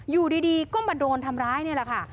อยู่ดีก็มาโดนทำร้ายนี่แหละค่ะ